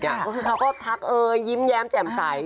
ก็คือเขาก็ทักเอยยิ้มแย้มแจ่มใส